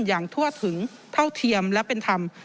อย่างทั่วถึงเท่าเทียมและเป็นธรรม